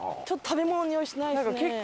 ちょっと食べ物のにおいしないですね。